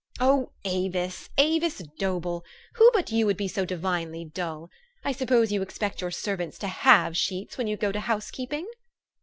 O Avis Avis Dobell ! Who but you would be so divinely dull? I suppose you expect your servants to have sheets, when you go to housekeeping?